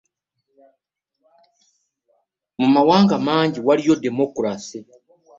Mu mawanga mangi waliyo demokulasiya.